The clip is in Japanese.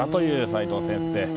齋藤先生。